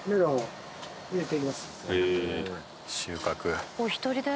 収穫。